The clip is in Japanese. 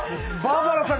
バーバラ！